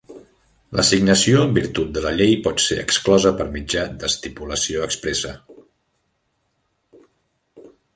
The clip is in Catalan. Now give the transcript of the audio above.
L'assignació en virtut de la llei pot ser exclosa per mitjà d'estipulació expressa.